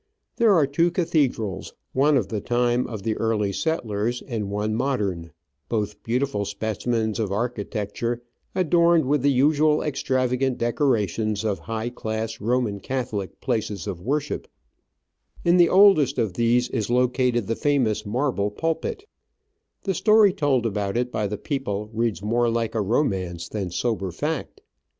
There are two cathedrals, one of the time of the early settlers, and one modern — both beautiful specimens of architecture, adorned with the usual extravagant decorations of high class Roman Catholic places of worship. In the oldest of these is located the famous marble pulpit. The story told o Digitized by VjOOQIC 2IO Travels and Adventures MARHI.E PULPIT, CARTHAGENA. about it by the people reads more like ro mance than sober fact.